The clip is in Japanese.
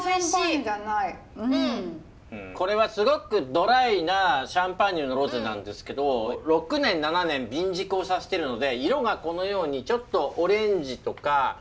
これはすごくドライなシャンパーニュのロゼなんですけど６年７年瓶熟をさせてるので色がこのようにちょっとオレンジとか。